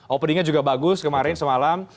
openingnya juga bagus kemarin semalam